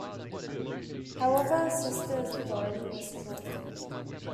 However Sisto's authority was short-lived.